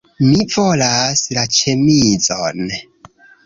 Mi volas la ĉemizon